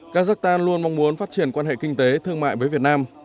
kazakhstan luôn mong muốn phát triển quan hệ kinh tế thương mại với việt nam